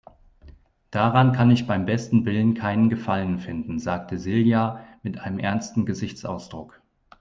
Daran kann ich beim besten Willen keinen Gefallen finden, sagte Silja mit einem ernsten Gesichtsausdruck.